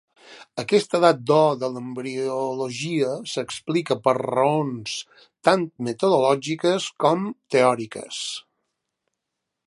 Aquesta edat d'or de l'embriologia s'explica per raons tant metodològiques com teòriques.